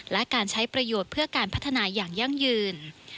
และการใช้ประโยชน์เพื่อการพัฒนาอย่างยั่งยืน